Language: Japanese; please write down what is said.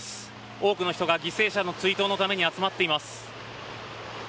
多くの人が犠牲者の追悼のために集まっています。